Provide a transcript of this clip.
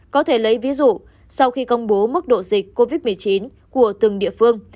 có thể lấy ví dụ sau khi công bố mức độ dịch covid một mươi chín của từng địa phương